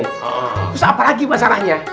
terus apa lagi masalahnya